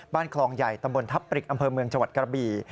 คลองใหญ่ตำบลทับปริกอำเภอเมืองจังหวัดกระบี่